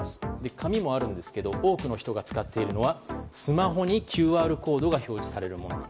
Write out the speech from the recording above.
紙もあるんですけど多くの人が使っているのはスマホにＱＲコードが表示されるもの。